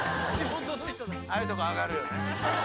ああいうとこ上がるよね。